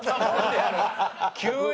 急に？